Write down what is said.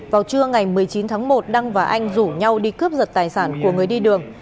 vào trưa ngày một mươi chín tháng một đăng và anh rủ nhau đi cướp giật tài sản của người đi đường